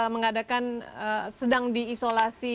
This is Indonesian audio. mengadakan sedang diisolasi